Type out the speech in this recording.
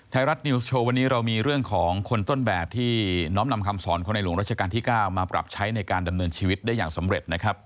ไทยรัฐนิวส์โชว์วันนี้เรามีเรื่องของคนต้นแบบที่น้อมนำคำสอนของในหลวงรัชกาลที่๙มาปรับใช้ในการดำเนินชีวิตได้อย่างสำเร็จนะครับ